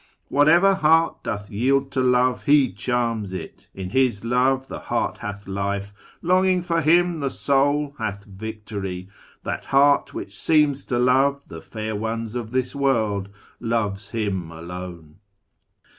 Whatever heart Doth yield to love. He charms it. In His love The heart hath life. Longing for Him, the soul Hath victory. That heart which seems to love \ The fair ones of this world, loves Him alone.